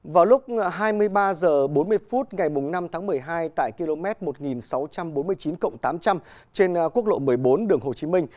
vào lúc hai mươi ba h bốn mươi phút ngày năm tháng một mươi hai tại km một nghìn sáu trăm bốn mươi chín tám trăm linh trên quốc lộ một mươi bốn đường hồ chí minh